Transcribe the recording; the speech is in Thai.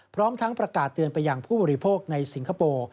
พร้อมทั้งประกาศเตือนไปยังผู้บริโภคในสิงคโปร์